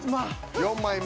４枚目。